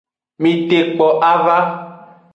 Mitekpo ava.